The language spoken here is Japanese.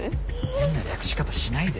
変な略し方しないで。